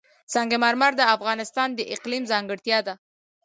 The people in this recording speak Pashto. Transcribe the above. سنگ مرمر د افغانستان د اقلیم ځانګړتیا ده.